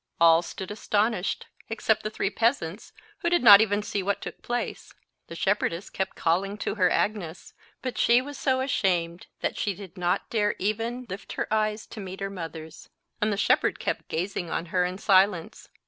All stood astonished, except the three peasants, who did not even see what took place. The shepherdess kept calling to her Agnes, but she was so ashamed that she did not dare even lift her eyes to meet her mother's, and the shepherd kept gazing on her in silence.